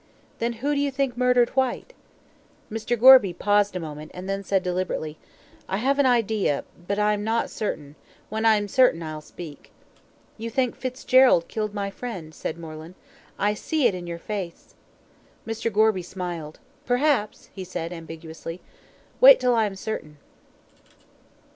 "Then who do you think murdered Whyte?" Mr. Gorby paused a moment, and then said deliberately: "I have an idea but I am not certain when I am certain, I'll speak." "You think Fitzgerald killed my friend," said Moreland. "I see it in your face." Mr. Gorby smiled. "Perhaps," he said, ambiguously. "Wait till I'm certain."